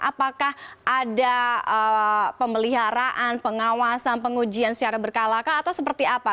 apakah ada pemeliharaan pengawasan pengujian secara berkala kah atau seperti apa